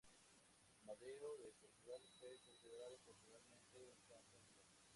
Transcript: Amadeo de Portugal fue considerado, popularmente, un santo en vida.